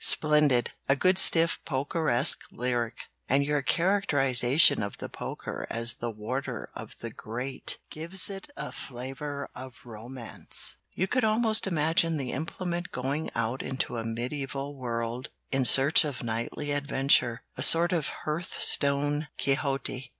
"Splendid! A good stiff pokeresque lyric, and your characterization of the poker as the 'Warder of the Grate' gives it a flavor of romance. You could almost imagine the implement going out into a mediæval world in search of knightly adventure a sort of hearth stone Quixote.